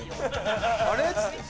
「あれ？」